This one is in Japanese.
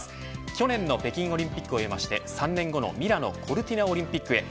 去年の北京オリンピックを終えまして、３年後のミラノ・コルティナオリンピックへ。